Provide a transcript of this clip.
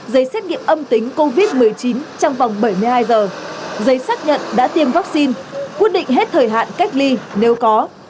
giấy xét nghiệm âm tính covid một mươi chín trong vòng bảy mươi hai giờ giấy xác nhận đã tiêm vaccine quyết định hết thời hạn cách ly nếu có